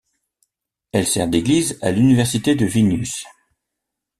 Elle sert d'église à l'université de Vilnius.